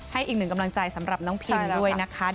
อีกหนึ่งกำลังใจสำหรับน้องพิมด้วยนะคะ